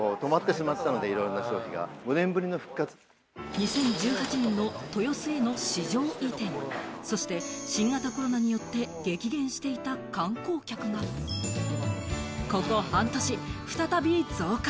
２０１８年の豊洲への市場移転、そして新型コロナによって激減していた観光客が、ここ半年、再び増加。